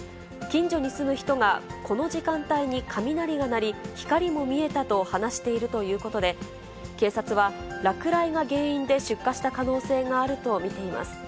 近所に住む人が、この時間帯に雷が鳴り、光も見えたと話しているということで、警察は、落雷が原因で出火した可能性があると見ています。